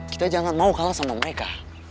kita jangan mau kalah sama mereka